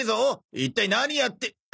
一体何やって。